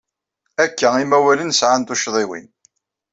Akka imawalen sɛan tuccḍiwin.